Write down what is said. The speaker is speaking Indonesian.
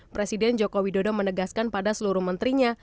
presiden jokowi dodo menegaskan pada seluruh menterinya